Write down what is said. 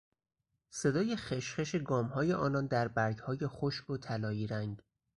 صدای خشخش گامهای آنان در برگهای خشک و طلایی رنگ